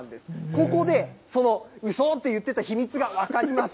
ここで、そのうそーと言っていた秘密が分かります。